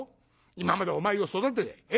今までお前を育ててええ？